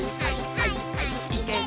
はいはい。